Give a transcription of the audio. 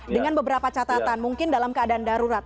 dengan beberapa catatan mungkin dalam keadaan darurat